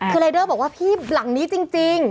คือรายเดอร์บอกว่าพี่หลังนี้จริง